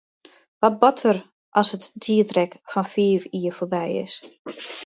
Wat bart der as it tiidrek fan fiif jier foarby is?